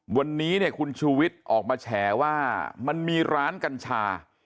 วันนี้เนี่ยคุณชูวิทย์ออกมาแฉว่ามันมีร้านกัญชา